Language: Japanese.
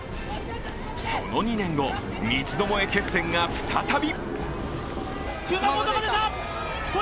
その２年後、三つどもえ決戦が再び。